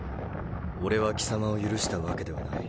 俺は貴様を許したわけではない。